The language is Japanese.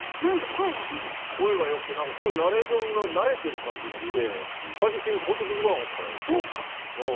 声がよくて、ナレーションに慣れてる感じがして最初本当に気づかなかった。